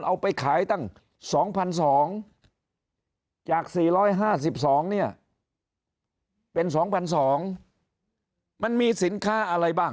เอาไปขายตั้ง๒๒๐๐จาก๔๕๒เนี่ยเป็น๒๒๐๐มันมีสินค้าอะไรบ้าง